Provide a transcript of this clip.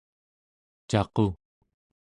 caqu